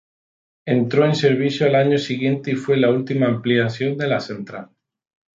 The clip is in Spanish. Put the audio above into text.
Entró en servicio al año siguiente y fue la última ampliación de la central.